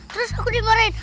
terus aku dimarahin